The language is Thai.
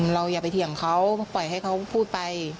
อย่าไปเถียงเขาปล่อยให้เขาพูดไป